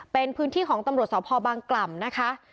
เป็นพื้นที่ของตำรกศพบางกล่ำ